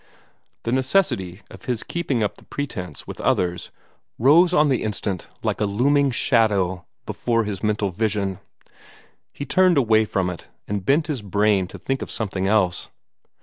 The necessity of his keeping up the pretence with others rose on the instant like a looming shadow before his mental vision. He turned away from it, and bent his brain to think of something else.